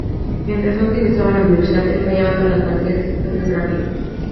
Mientras Austin estaba en la universidad, el fallaba todas las materias excepto geografía.